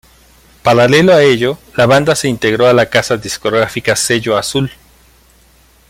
Paralelo a ello, la banda se integró a la casa discográfica Sello Azul.